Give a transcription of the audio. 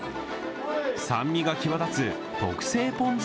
酸味が際立つ特製ポン酢